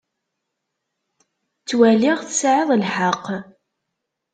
Ttwaliɣ tesɛiḍ lḥeqq.